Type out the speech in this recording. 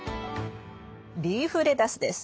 リーフレタスです。